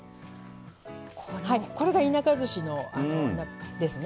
はいこれが田舎ずしですね。